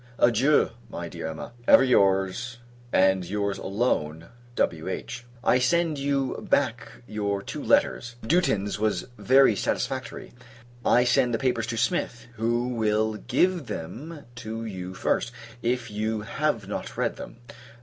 Adieu, my dear Emma! Ever your's, and your's alone, W.H. I send you back your two letters. Dutens was very satisfactory. I send the papers to Smith; who will give them to you first, if you have not read them.